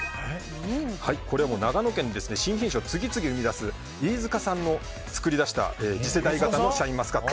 これは長野県で新品種を次々生み出す飯塚さんが作り出した次世代型のシャインマスカット。